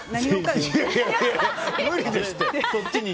いやいや、無理ですって。